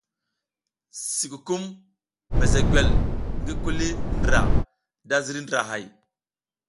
Sikukum mezegwel ngi kuli ndra da ziriy ndrahay.